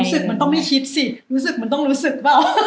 รู้สึกมันต้องไม่คิดสิรู้สึกมันต้องรู้สึกเปล่า